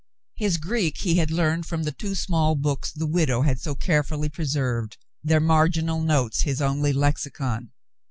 His Greek he had learned from the two small books the widow had so carefully preserved, their marginal notes his only lexicon.